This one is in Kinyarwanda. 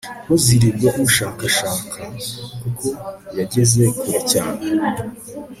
ntuzirirwe umushakashaka kuko yageze kure cyane